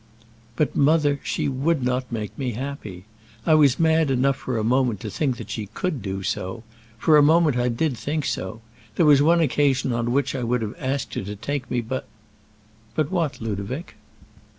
"But, mother, she would not make me happy. I was mad enough for a moment to think that she could do so for a moment I did think so. There was one occasion on which I would have asked her to take me, but " "But what, Ludovic?"